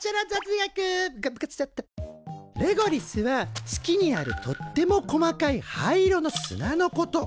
レゴリスは月にあるとっても細かい灰色の砂のこと。